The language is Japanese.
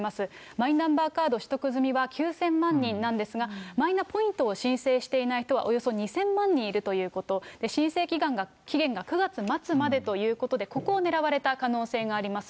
マイナンバーカード取得済みは９０００万人なんですが、マイナポイントを申請していない人は、およそ２０００万人いるということ、申請期限が９月末までということで、ここを狙われた可能性があります。